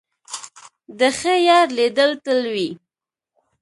د ښه یار لیدل تل وي.